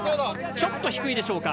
ちょっと低いでしょうか？